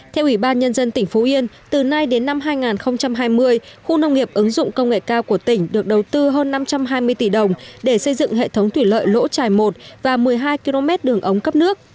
theo ủy ban nhân dân tỉnh phú yên từ nay đến năm hai nghìn hai mươi khu nông nghiệp ứng dụng công nghệ cao của tỉnh được đầu tư hơn năm trăm hai mươi tỷ đồng để xây dựng hệ thống thủy lợi lỗ trài i và một mươi hai km đường ống cấp nước